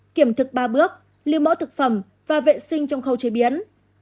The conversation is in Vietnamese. kiểm thực ba bước lưu mỡ thực phẩm và vệ sinh trong khâu chế biến